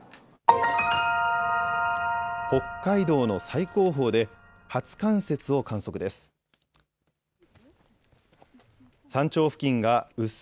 北海道の最高峰で初冠雪を観測です。